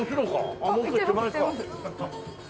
あっもうちょい手前か。